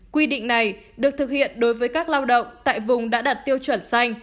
quy định này được thực hiện đối với các lao động tại vùng đã đạt tiêu chuẩn xanh